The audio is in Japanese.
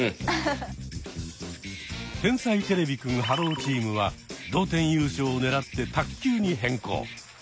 天才てれびくんｈｅｌｌｏ，チームは同点優勝を狙って卓球に変更。